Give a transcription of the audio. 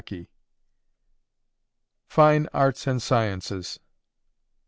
THE FINE ARTS AND SCIENCES.